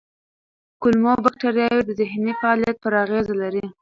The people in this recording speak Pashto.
کولمو بکتریاوې د ذهني فعالیت پر اغېز لري.